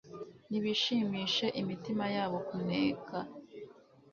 Nibishimishe imitima yabo kuneka